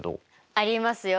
ありますよ！